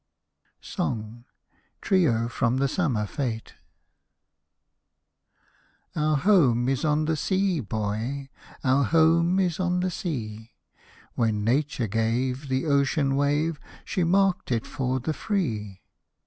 TRIO (FROM "THE SUMMER FETE") Our home is on the sea, boy, Our home is on the sea ; When Nature gave The ocean wave, She marked it for the Free.